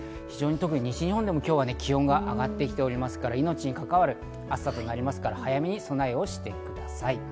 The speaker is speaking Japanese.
特に西日本でも今日は気温が上がってきておりますから、命に関わる暑さとなるので早めに備えをしてください。